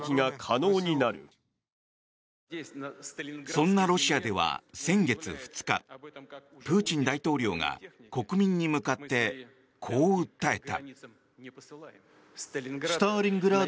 そんなロシアでは先月２日プーチン大統領が国民に向かってこう訴えた。